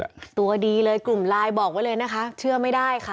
เรามาเที่ยวเราก็ถ่ายรูปเล่นกับเพื่อนเพื่อโพสต์เล่นกันครับ